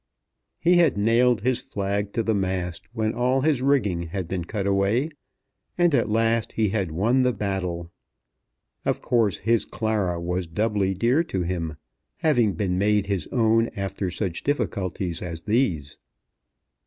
He had nailed his flag to the mast when all his rigging had been cut away; and at last he had won the battle. Of course his Clara was doubly dear to him, having been made his own after such difficulties as these.